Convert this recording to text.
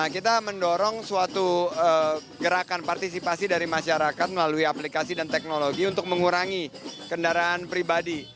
kita mendorong suatu gerakan partisipasi dari masyarakat melalui aplikasi dan teknologi untuk mengurangi kendaraan pribadi